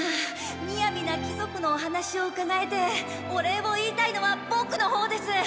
みやびな貴族のお話をうかがえてお礼を言いたいのはボクのほうです。